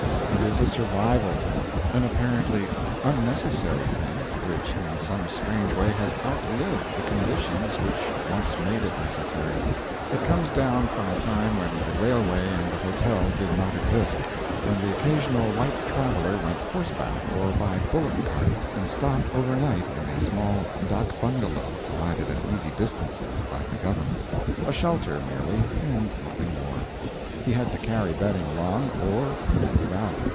It is a survival; an apparently unnecessary thing which in some strange way has outlived the conditions which once made it necessary. It comes down from a time when the railway and the hotel did not exist; when the occasional white traveler went horseback or by bullock cart, and stopped over night in the small dak bungalow provided at easy distances by the government a shelter, merely, and nothing more. He had to carry bedding along, or do without.